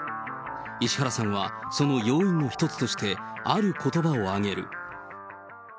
石原さんはその要因の一つとして、あることばを挙げる。